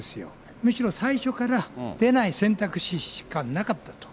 むしろ最初から出ない選択肢しかなかったと。